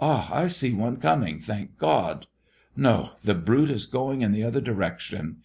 Ah, I see one coming, thank God! No; the brute is going in the other direction.